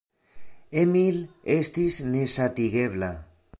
Emil estis nesatigebla.